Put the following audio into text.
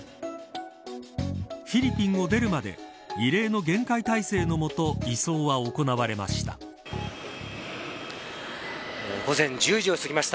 フィリピンを出るまで異例の厳戒態勢の元移送は行われました。